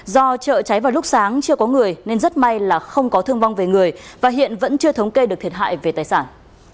do trợ cháy vào lúc sáng chưa có người nên rất may là không có thương vong về người và hiện vẫn chưa thống kê được thiệt hại về tài sản